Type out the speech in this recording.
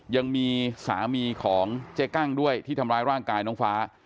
ยังมีสามีของเจ๊กั้งด้วยที่ทำร้ายร่างกายน้องฟ้า